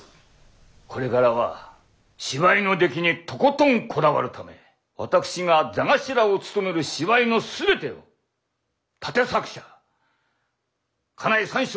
これからは芝居の出来にとことんこだわるため私が座頭を務める芝居の全てを立作者金井三笑